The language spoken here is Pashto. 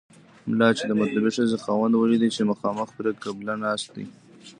ملا چې د مطلوبې ښځې خاوند ولید چې مخامخ پر قبله ناست دی.